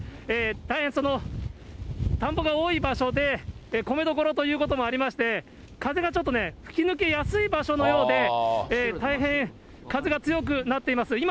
大変田んぼが多い場所で、米どころということもありまして、風がちょっとね、吹き抜けやすい場所のようで、大変風が強くなっています。